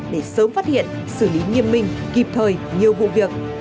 để sớm phát hiện xử lý nghiêm minh kịp thời nhiều vụ việc